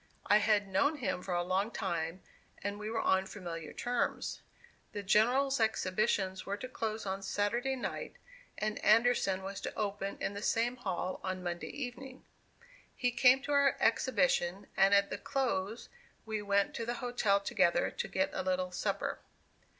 I had known him for a long time, and we were on familiar terms. The General's exhibitions were to close on Saturday night, and Anderson was to open in the same hall on Monday evening. He came to our exhibition, and at the close we went to the hotel together to get a little supper.